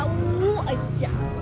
gua tau aja